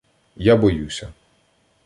я боюся.